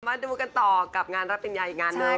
มาดูกันต่อกับงานรับปริญญาอีกงานหนึ่ง